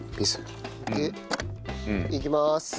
でいきまーす。